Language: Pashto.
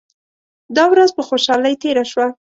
دا ورځ په خوشالۍ تیره شوه.